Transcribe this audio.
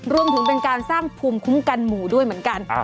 รวมถึงเป็นการสร้างภูมิคุ้มกันหมู่ด้วยเหมือนกัน